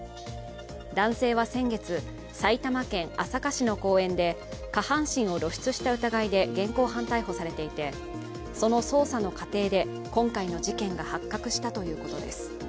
男性は先月、埼玉県朝霞市の公園で下半身を露出した疑いで現行犯逮捕されていてその捜査の過程で今回の事件が発覚したということです。